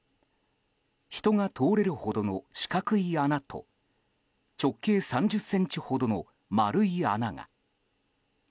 人が通れるほどの四角い穴と直径３０ｃｍほどの丸い穴が。